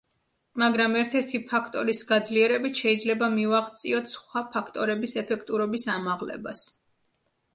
მაგრამ ერთ-ერთი ფაქტორის გაძლიერებით შეიძლება მივაღწიოთ სხვა ფაქტორების ეფექტურობის ამაღლებას.